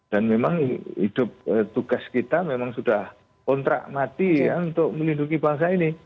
dan memang hidup tugas kita memang sudah kontrak mati untuk melindungi bangsa ini